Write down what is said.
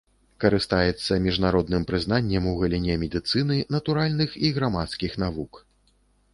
Карыстаецца міжнародным прызнаннем у галіне медыцыны, натуральных і грамадскіх навук.